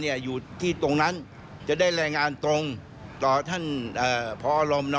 เนี่ยอยู่ที่ตรงนั้นจะได้แรงงานตรงต่อท่านอ่าเพารมน